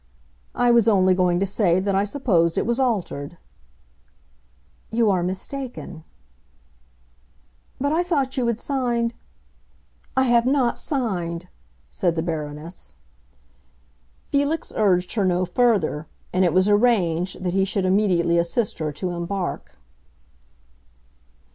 "I was only going to say that I supposed it was altered." "You are mistaken." "But I thought you had signed——" "I have not signed!" said the Baroness. Felix urged her no further, and it was arranged that he should immediately assist her to embark.